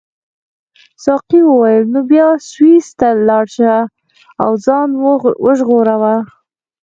ساقي وویل نو بیا سویس ته ولاړ شه او ځان وژغوره.